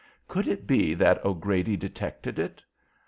Could it be that O'Grady detected it?